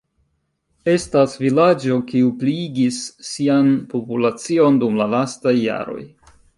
Estas vilaĝo kiu pliigis sian populacion dum la lastaj jaroj.